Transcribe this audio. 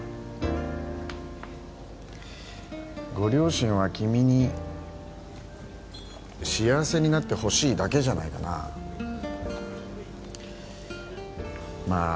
ご両親は君に幸せになってほしいだけじゃないかなまあ